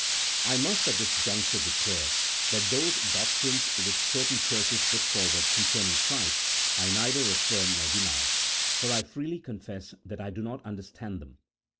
I must at this juncture declare that those doctrines which certain churches put forward concerning Christ, I neither affirm nor deny, for I freely confess that I do not under stand them.